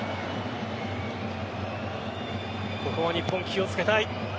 ここは日本、気をつけたい。